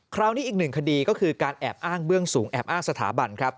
คราวนี้อีกหนึ่งคดีก็คือการแอบอ้างเบื้องสูงแอบอ้างสถาบันครับ